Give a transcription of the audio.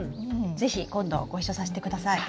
是非今度ご一緒させてください。